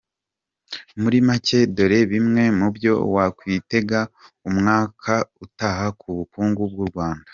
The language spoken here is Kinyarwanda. Muri make dore bimwe mu byo wakwitega umwaka utaha ku bukungu bw’u Rwanda:.